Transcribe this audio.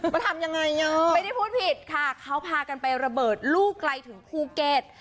ว่าทำยังไงอ่ะไม่ได้พูดผิดค่ะเขาพากันไประเบิดลูกไกลถึงภูเก็ต